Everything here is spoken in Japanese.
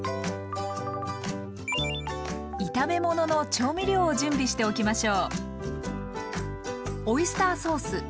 炒め物の調味料を準備しておきましょう。